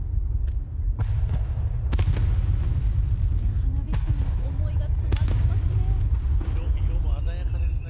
花火師さんの思いが詰まってますね。